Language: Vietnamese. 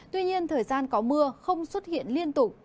tuy nhiên thời gian có mưa không xuất hiện liên tục